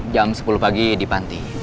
jam sepuluh pagi di panti